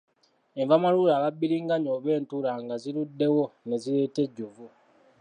Enva malule aba bbiriŋŋanya oba entula nga ziruddewo ne zireeta ejjovu.